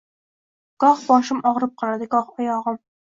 Goh boshim og‘rib qoladi, goh oyog‘im...